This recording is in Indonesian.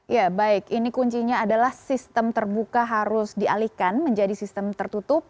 ya baik ini kuncinya adalah sistem terbuka harus dialihkan menjadi sistem tertutup